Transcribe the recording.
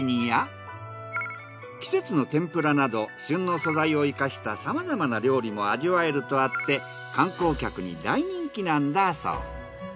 旬の素材を生かしたさまざまな料理も味わえるとあって観光客に大人気なんだそう。